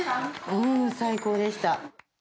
うーん、最高でした。